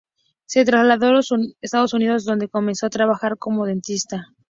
Se trasladó los Estados Unidos, donde comenzó a trabajar como dentista.